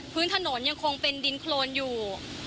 พื้นถนนยังคงเป็นดินโครนอยู่